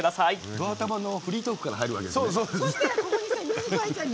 ド頭のフリートークから入るわけですね。